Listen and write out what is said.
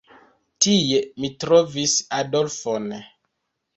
Tie mi trovis Adolfon.